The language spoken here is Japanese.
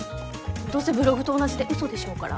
どうせブログと同じでウソでしょうから。